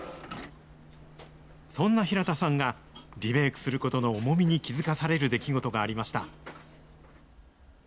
そんな平田さんが、リメイクすることの重みに気付かされる出来事がありました。